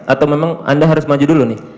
atau memang anda harus maju dulu nih